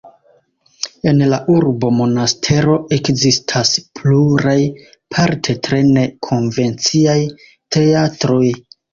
En la urbo Monastero ekzistas pluraj, parte tre ne-konvenciaj, teatroj.